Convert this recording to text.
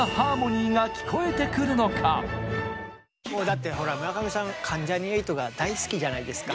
一体もうだってほら村上さん関ジャニ∞が大好きじゃないですか。